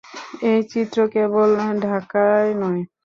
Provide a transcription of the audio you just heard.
এই চিত্র কেবল ঢাকায় নয়।